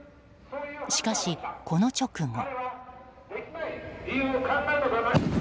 しかし、この直後。